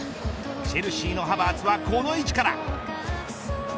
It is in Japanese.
チェルシーのハヴァーツはこの位置から。